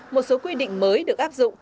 một số quy định mới được áp dụng